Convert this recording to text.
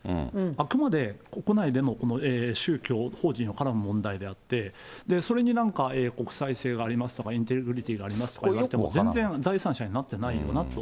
あくまで国内での宗教法人の絡む問題であって、それになんか国際性がありますとか、インテグリティがありますとかいわれても全然第三者になってないよなと。